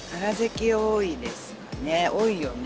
多いよね。